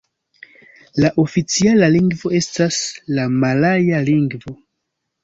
La oficiala lingvo estas la malaja lingvo.